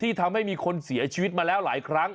ทำให้มีคนเสียชีวิตมาแล้วหลายครั้ง